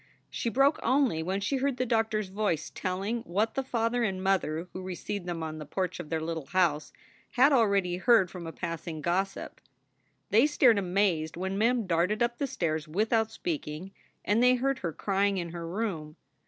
She broke only when she heard the doctor s voice telling what the father and mother who received them on the porch of their little house had already heard from a passing gossip. They stared amazed when Mem darted up the stairs without speaking, and they heard her crying in her room.